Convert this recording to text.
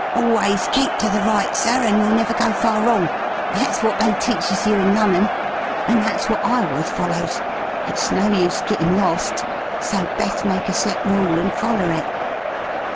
"Always keep to the right, sir, and you'll never go far wrong that's what they teaches you in Lunnon. An' that's what I always follows. It's no use gittin' lost. So best make a set rule and foller it."